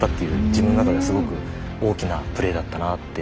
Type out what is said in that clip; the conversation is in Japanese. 自分の中ですごく大きなプレイだったなって